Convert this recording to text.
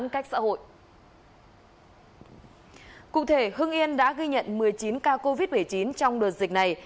cụ thể hưng yên đã ghi nhận một mươi chín ca covid một mươi chín trong đợt dịch này